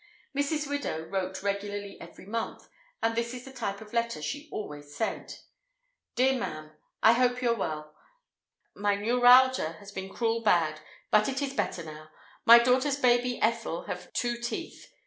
Mrs. Widow wrote regularly every month, and this is the type of letter she always sent:— "Dear Mam. i hope your well, my newralger has been cruell bad but it is Better now. my daugters baby ethel have two teeth.